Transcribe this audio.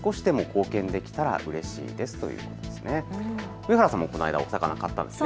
上原さんもこの間お魚、買ったんですね。